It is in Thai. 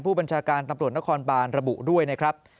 ผู้บัญชาการตำรวจนครบานระบุด้วยนะครับ